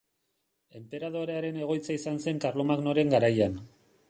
Enperadorearen egoitza izan zen Karlomagnoren garaian.